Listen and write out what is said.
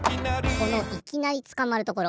このいきなりつかまるところ。